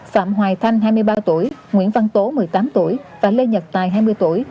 phạm hoài thanh hai mươi ba tuổi nguyễn văn tố một mươi tám tuổi và lê nhật tài hai mươi tuổi